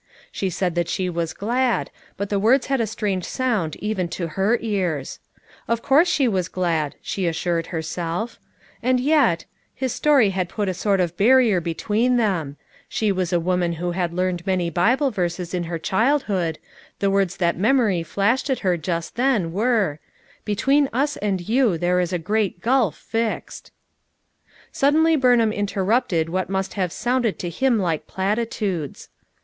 She said that she was glad, but the words had a strange sound even to her ears. Of course she was glad, she assured her self. And yet— his story had put a sort of bar rier between them; she was a woman who had learned many Bible verses in her childhood; the words that memory flashed at her just then were: "Between us and you there is a great gulf fixed," :m FOUR MOTHERS AT CHAUTAUQUA Suddenly Burnluun interrupted what must have sounded to him like platitudes.